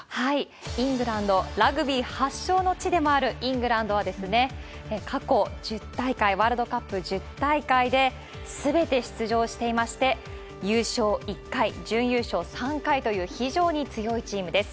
イングランド、ラグビー発祥の地でもあるイングランドは、過去１０大会、ワールドカップ１０大会で、すべて出場していまして、優勝１回、準優勝３回という非常に強いチームです。